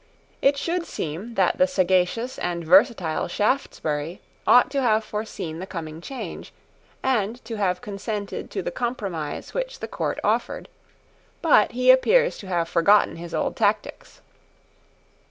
It should seem that the sagacious and versatile Shaftesbury ought to have foreseen the coming change, and to have consented to the compromise which the court offered: but he appears to have forgotten his old tactics.